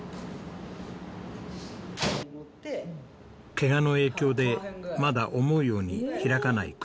ケガの影響でまだ思うように開かない口。